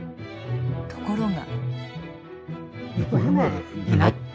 ところが。